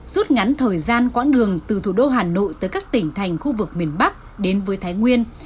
rút ngắn thời gian quãng đường từ thủ đô hà nội tới các tỉnh thành khu vực miền bắc đến với thái nguyên